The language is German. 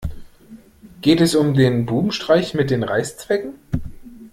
Geht es um den Bubenstreich mit den Reißzwecken?